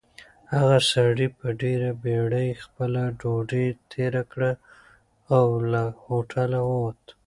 هغه سړي په ډېرې بېړۍ خپله ډوډۍ تېره کړه او له هوټله ووت.